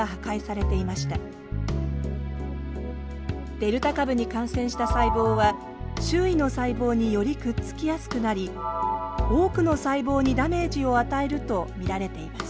デルタ株に感染した細胞は周囲の細胞によりくっつきやすくなり多くの細胞にダメージを与えると見られています。